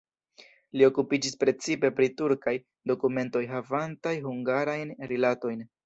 Li okupiĝis precipe pri turkaj dokumentoj havantaj hungarajn rilatojn.